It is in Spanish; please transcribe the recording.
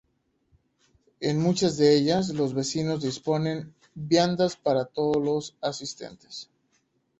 En muchas de ellas, los vecinos disponen viandas para todos los asistentes.